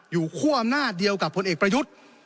อยู่คว่าอำนาจเดียวกับคนเอกประยุทธ